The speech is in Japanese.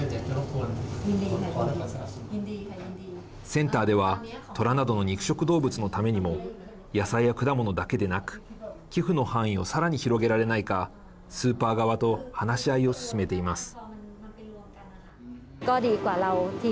センターではトラなどの肉食動物のためにも野菜や果物だけでなく寄付の範囲をさらに広げられないかスーパー側と話し合いを進めています。